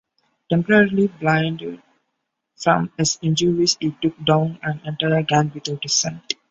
Temporarily blinded from his injuries, he took down an entire gang without his sight.